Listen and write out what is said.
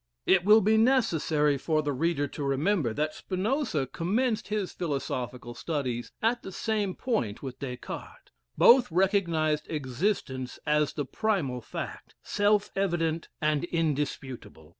It will be necessary for the reader to remember that Spinoza commenced his philosophical studies at the same point with Descartes. Both recognized existence as the primal fact, self evident and indisputable.